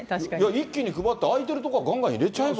一気に配って、空いてるところはがんがん入れちゃえば。